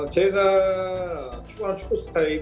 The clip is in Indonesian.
saya juga menarik dari thailand